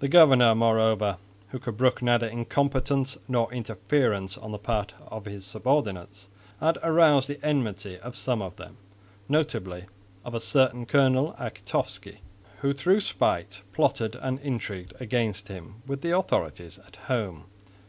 The governor, moreover, who could brook neither incompetence nor interference on the part of his subordinates, had aroused the enmity of some of them, notably of a certain Colonel Architofsky, who through spite plotted and intrigued against him with the authorities at home.